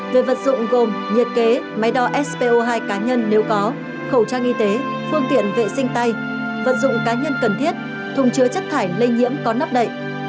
về vật dụng gồm nhiệt kế máy đo spo hai cá nhân nếu có khẩu trang y tế phương tiện vệ sinh tay vật dụng cá nhân cần thiết thùng chứa chất thải lây nhiễm có nắp đậy